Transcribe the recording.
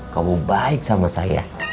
kamu baik sama saya